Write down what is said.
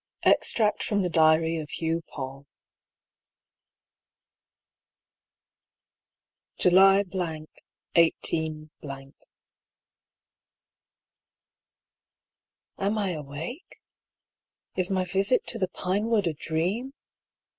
EXTRACT FROM THE DIARY OF HUGH PAULL. July —, 18 —. Am I awake ? Is my visit to the Pinewood a dream